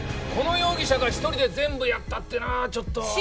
この容疑者が１人で全部やったってのはちょっと。